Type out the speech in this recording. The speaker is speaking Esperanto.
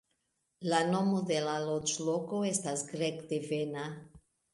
La nomo de la loĝloko estas grek-devena.